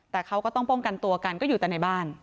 แต่เขาก็ต้องป้องกันตัวกันก็อยู่แต่ในบ้าน